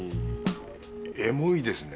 エモいですね。